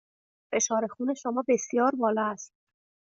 فشار خون شما بسیار بالا است.